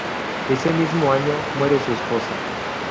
Ese mismo año muere su esposa.